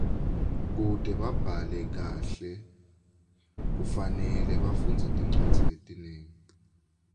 Kute babhale kahle kufanele bafundze tincwadzi letinengi.